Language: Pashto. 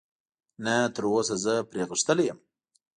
نه، تراوسه زه پرې غښتلی یم.